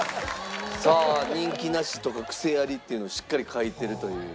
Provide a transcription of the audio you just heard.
さあ「人気なし」とか「癖あり」っていうのをしっかり書いてるという。